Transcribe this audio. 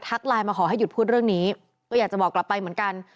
ไลน์มาขอให้หยุดพูดเรื่องนี้ก็อยากจะบอกกลับไปเหมือนกัน